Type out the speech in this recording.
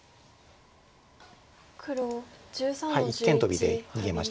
一間トビで逃げました。